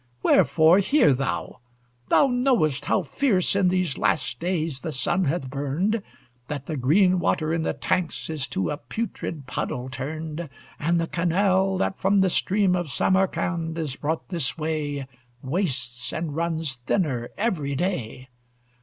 "Wherefore hear thou! Thou know'st how fierce In these last days the sun hath burned; That the green water in the tanks Is to a putrid puddle turned; And the canal, that from the stream Of Samarcand is brought this way, Wastes, and runs thinner every day.